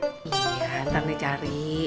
iya ntar dicari